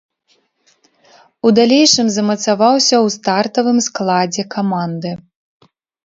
У далейшым замацаваўся ў стартавым складзе каманды.